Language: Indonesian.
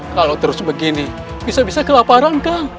kalau terus begini bisa bisa kelaparan kang